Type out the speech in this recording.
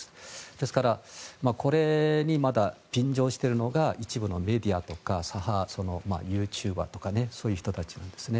ですから、これにまだ便乗しているのが一部のメディアとか左派ユーチューバーとかそういう人たちなんですね。